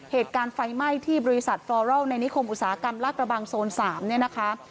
เหตุการณ์ไฟไหม้ที่บริษัทฟอร์รอลในนิคมอุตสาหกรรมลากระบังโซน๓เนี่ยนะคะ